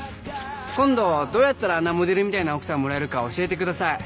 今度どうやったらあんなモデルみたいな奥さんもらえるか教えてください。